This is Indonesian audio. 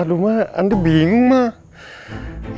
aduh mak andri bingung mak